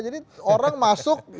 jadi orang masuk